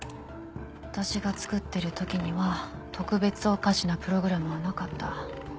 私が作ってる時には特別おかしなプログラムはなかった。